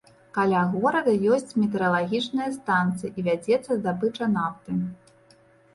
Каля горада ёсць метэаралагічная станцыя і вядзецца здабыча нафты.